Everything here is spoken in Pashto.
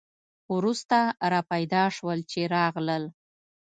وروسته را پیدا شول چې راغلل.